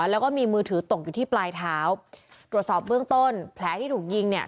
แล้วก็มีมือถือตกอยู่ที่ปลายเท้าตรวจสอบเบื้องต้นแผลที่ถูกยิงเนี่ย